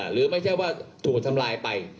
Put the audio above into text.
หรือไม่ใช่ว่าถูกทำลายไป